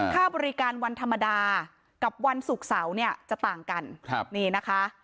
ค่าบริการวันธรรมดากับวันศุกร์เสาร์เนี่ยจะต่างกันครับนี่นะคะ